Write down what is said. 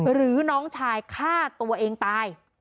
หรือน้องชายฆ่าตัวเองตาย